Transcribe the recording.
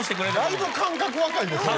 だいぶ感覚若いでそれ。